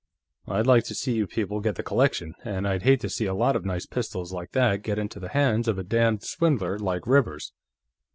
I'd like to see you people get the collection, and I'd hate to see a lot of nice pistols like that get into the hands of a damned swindler like Rivers....